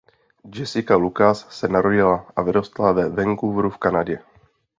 Jessica Lucas se narodila a vyrostla ve Vancouveru v Kanadě.